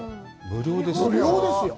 無料ですよ。